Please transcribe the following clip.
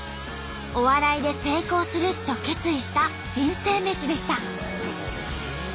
「お笑いで成功する」と決意した人生めしでした。